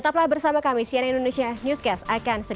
atas waktunya dalam cnn indonesia newcast pada malam ini